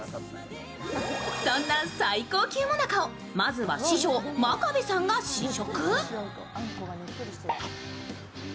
そんな最高級最中をまずは師匠、真壁さんが試食。